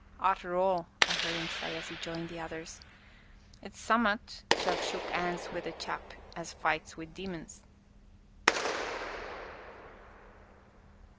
"Arter all," I heard him say, as he joined the others, "'tis summat to ha' shook 'ands wi' a chap as fights wi' demons!"